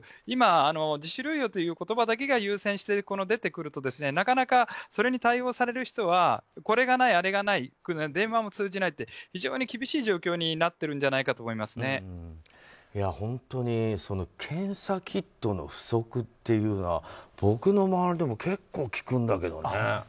今、自主療養という言葉だけが優先して出てくると、なかなかそれに対応される人はこれがない、あれがない電話がつうじないと非常に厳しい状況になっているんじゃないかと本当に検査キットの不足っていうのは僕の周りでも結構聞くんだけどね。